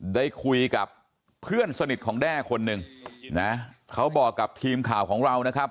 ได้คุยกับเพื่อนสนิทของแด้คนหนึ่งนะเขาบอกกับทีมข่าวของเรานะครับ